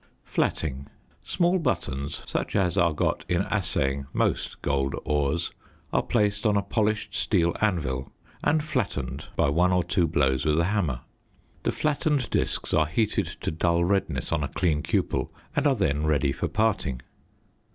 45.] ~Flatting.~ Small buttons, such as are got in assaying most gold ores, are placed on a polished steel anvil and flattened by one or two blows with a hammer. The flattened discs are heated to dull redness on a clean cupel and are then ready for parting.